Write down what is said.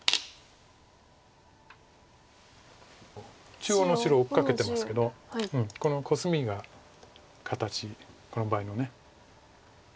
中央の白追っかけてますけどこのコスミが形この場合の。